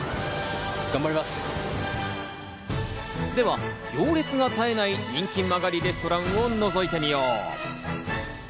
では行列が絶えない人気間借りレストランを覗いてみよう。